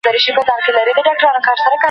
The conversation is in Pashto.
ډاکټر غني د ملګرو ملتونو له استازو سره کار وکړ.